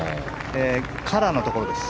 カラーのところです。